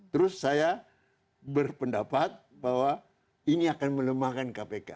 terus saya berpendapat bahwa ini akan melemahkan kpk